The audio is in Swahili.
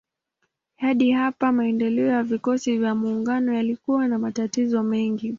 Hadi hapa maendeleo ya vikosi vya maungano yalikuwa na matatizo mengi.